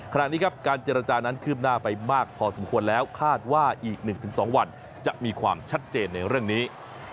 ขณะนี้ครับการเจรจานั้นคืบหน้าไปมากพอสมควรแล้วคาดว่าอีก๑๒วันจะมีความชัดเจนในเรื่องนี้